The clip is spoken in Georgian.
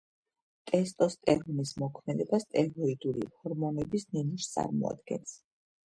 ტესტოსტერონის მოქმედება სტეროიდული ჰორმონების ნიმუშს წარმოადგენს.